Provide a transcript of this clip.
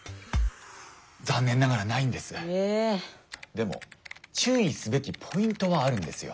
でも注意すべきポイントはあるんですよ。